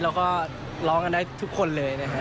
แล้วก็ร้องกันได้ทุกคนเลยนะฮะ